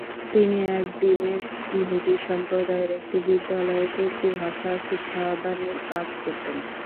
তিনি এদির্নের ইহুদি সম্প্রদায়ের একটি বিদ্যালয়ে তুর্কি ভাষা শিক্ষাদানের কাজ করতেন।